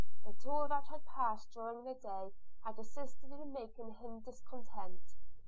But all that had passed during the day, had assisted in making him discontented.